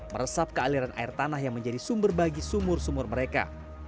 meresap ke aliran air tanah yang menjadi sumber bagi sumur sumur mereka